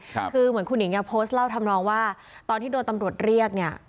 คือเหมือนคุณหิงอ่ะโพสต์เล่าทำนองว่าตอนที่โดนตำรวจเรียกเนี่ย